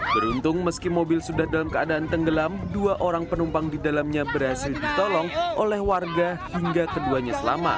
beruntung meski mobil sudah dalam keadaan tenggelam dua orang penumpang di dalamnya berhasil ditolong oleh warga hingga keduanya selamat